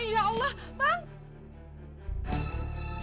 ya allah bang